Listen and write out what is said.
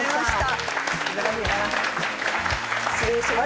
失礼します。